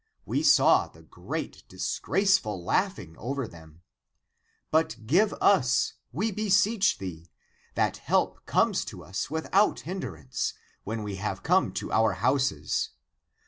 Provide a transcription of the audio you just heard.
We saw the great disgraceful laughing over them. But give us, we beseech thee, that help comes to us without hindrance, when we have come to our houses